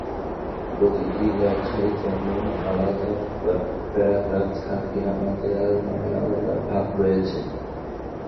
প্রতিটি লেখায় যেমন আলাদা প্যারাগ্রাফ থাকে, আমাদের অ্যালবামে আলাদা ভাগ রয়েছে।